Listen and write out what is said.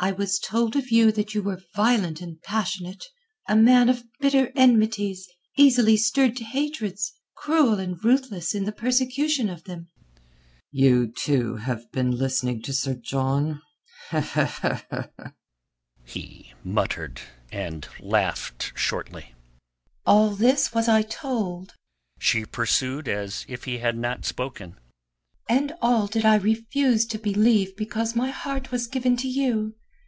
I was told of you that you were violent and passionate, a man of bitter enmities, easily stirred to hatreds, cruel and ruthless in the persecution of them." "You, too, have been listening to Sir John," he muttered, and laughed shortly. "All this was I told," she pursued as if he had not spoken, "and all did I refuse to believe because my heart was given to you.